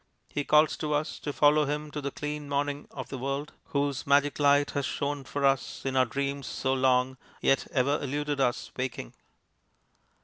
He calls to us to follow him to the clean morning of the world, whose magic light has shone for us in our dreams so long, yet ever eluded us waking.